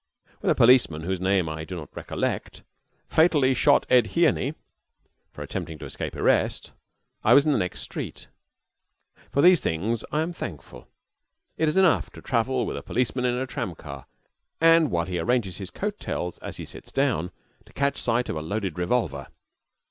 When a policeman, whose name I do not recollect, "fatally shot Ed Hearney" for attempting to escape arrest, I was in the next street. For these things I am thankful. It is enough to travel with a policeman in a tram car, and, while he arranges his coat tails as he sits down, to catch sight of a loaded revolver.